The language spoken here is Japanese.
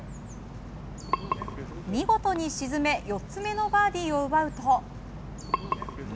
見事に沈め４つ目のバーディーを奪うと。